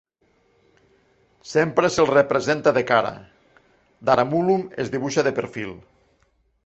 Sempre se'l representa de cara; Daramulum es dibuixa de perfil.